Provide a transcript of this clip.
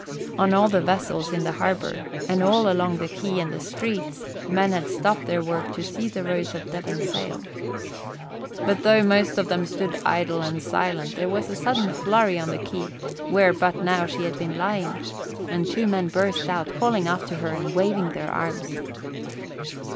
On all the vessels in the harbour, and all along the quay and the streets, men had stopped their work to see the Rose of Devon sail. But though most of them stood idle and silent, there was a sudden flurry on the quay where but now she had been lying, and two men burst out, calling after her and waving their arms.